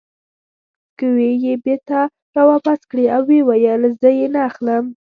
سکوې یې بېرته را واپس کړې او ویې ویل: زه یې نه اخلم.